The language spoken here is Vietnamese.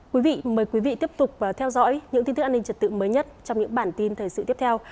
quý vị mời quý vị tiếp tục theo dõi những tin tức an ninh trật tự mới nhất trong những bản tin thời sự tiếp theo